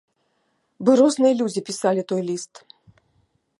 Бы розныя людзі пісалі той ліст.